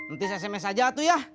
nutis sms aja tuh ya